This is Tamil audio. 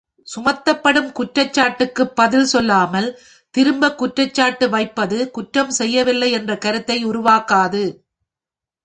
சுமத்தப் பெறும் குற்றச்சாட்டுக்குப் பதில் சொல்லாமல் திரும்ப குற்ற்ச்சாட்டு வைப்பது குற்றம் செய்யவில்லை என்ற கருத்தை உருவாக்காது.